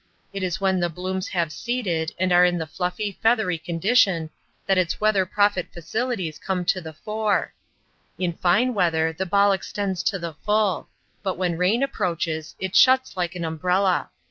It is when the blooms have seeded and are in the fluffy, feathery condition that its weather prophet facilities come to the fore. In fine weather the ball extends to the full, but when rain approaches, it shuts like an umbrella.